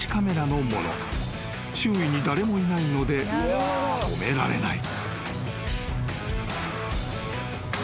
［周囲に誰もいないので止められない］